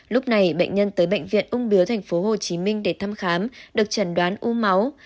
lúc này bệnh nhân tới bệnh viện ung biếu tp hcm để thăm khám được chẩn đoán u máu